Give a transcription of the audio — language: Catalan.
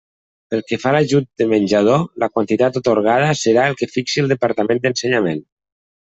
Pel que fa a l'ajut de menjador la quantitat atorgada serà el que fixi del Departament d'Ensenyament.